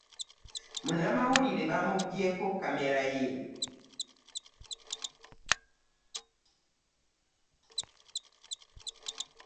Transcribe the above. Munnamawulite bamubyeko Kamera ye .